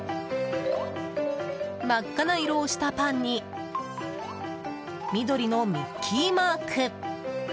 真っ赤な色をしたパンに緑のミッキーマーク！